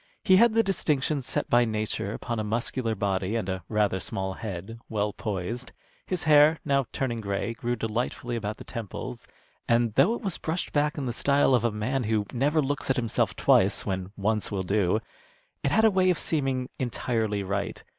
He had the distinction set by nature upon a muscular body and a rather small head, well poised. His hair, now turning gray, grew delightfully about the temples, and though it was brushed back in the style of a man who never looks at himself twice when once will do, it had a way of seeming entirely right.